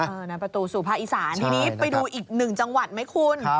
นั่นประตูสู่ภาคอีสานทีนี้ไปดูอีกหนึ่งจังหวัดไหมคุณ